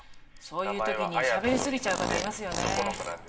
そういう時にしゃべり過ぎちゃう方いますよね。